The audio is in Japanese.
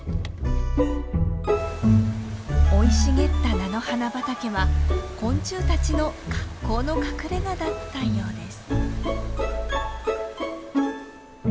生い茂った菜の花畑は昆虫たちの格好の隠れがだったようです。